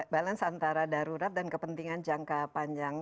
balance antara darurat dan kepentingan jangka panjang